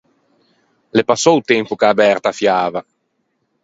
L’é passou o tempo che a Berta a fiava.